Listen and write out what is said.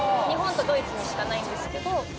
「日本とドイツにしかないんですけど」